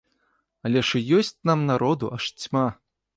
Але ж і ёсць там народу, аж цьма!